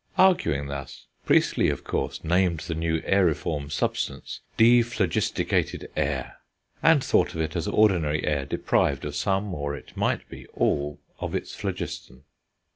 Arguing thus, Priestley, of course, named the new aeriform substance dephlogisticated air, and thought of it as ordinary air deprived of some, or it might be all, of its phlogiston.